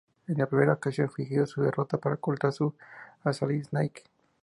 En la primera ocasión, fingió su derrota para capturar a Solid Snake.